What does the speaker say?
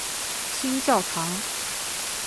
新教堂。